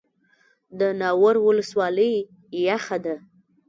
د ناور ولسوالۍ یخه ده